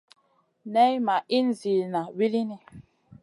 Nay ma ihn ziyna wulini.